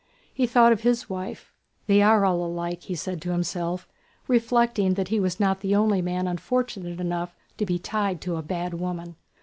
He thought of his wife. "They are all alike!" he said to himself, reflecting that he was not the only man unfortunate enough to be tied to a bad woman.